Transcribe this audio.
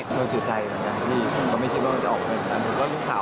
มันเสียใจมากจังที่ก็ไม่คิดว่าจะออกไปจากนั้น